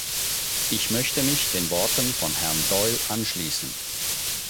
Ich möchte mich den Worten von Herrn Doyle anschließen.